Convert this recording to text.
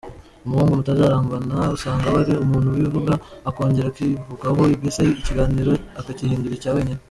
Umuhungu mutazarambana usanga aba ari umuntu wivuga akongera akivugaho, mbese ikiganiro akagihindura icya wenyine.